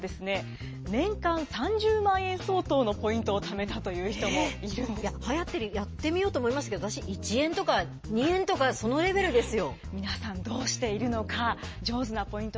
中には、年間３０万円相当のポイントをためたという人もいるんでやってみようと思いましたけれども、私、１円とか、２円とかそのレベルですよ。